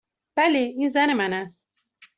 بله. این زن من است.